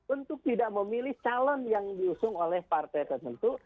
untuk tidak memilih calon yang diusung oleh partai tertentu